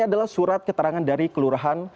adalah surat keterangan dari kelurahan